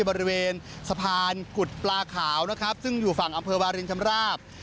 บริเวณสะพานกุฎปลาขาวนะครับซึ่งอยู่ฝั่งอำเภอวารินชำราบ